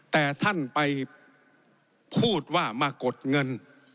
แต่ท่านไปพูดว่ามากดเงิน